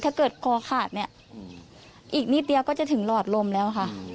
ถ้าเกิดคอขาดเนี่ยอีกนิดเดียวก็จะถึงหลอดลมแล้วค่ะ